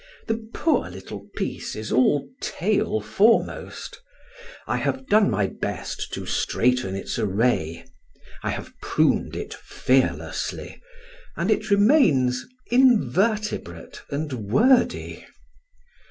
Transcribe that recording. The poor little piece is all tail foremost. I have done my best to straighten its array, I have pruned it fearlessly, and it remains invertebrate and wordy.